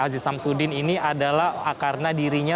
haji sabzudin ini adalah karena dirinya